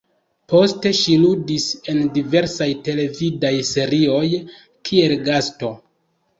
Poste ŝi ludis en diversaj televidaj serioj, kiel gasto.